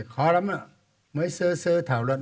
khó lắm ạ mới sơ sơ thảo luận